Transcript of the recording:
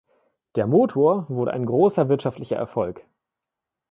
Der Motor wurde ein großer wirtschaftlicher Erfolg.